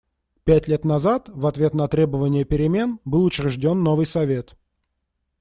Пять лет назад, в ответ на требования перемен, был учрежден новый Совет.